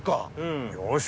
よし。